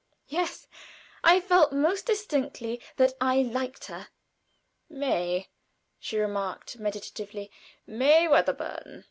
Yes, I felt most distinctly that I liked her. "May," she remarked, meditatively; "May Wedderburn.